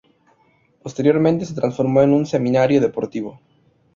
Posteriormente se transformó en un semanario deportivo.